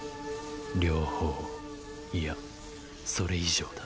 両方いやそれ以上だ。